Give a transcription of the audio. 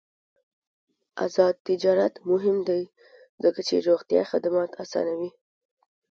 آزاد تجارت مهم دی ځکه چې روغتیا خدمات اسانوي.